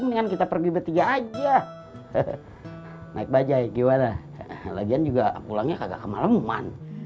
kan kita pergi bertiga aja hehehe naik bajaj gw ada hal agian juga pulangnya kagak kemaleman